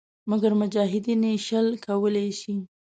مګر مجاهدین یې شل کولای شي.